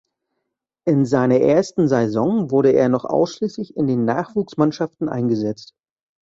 In seiner ersten Saison wurde er noch ausschließlich in den Nachwuchsmannschaften eingesetzt.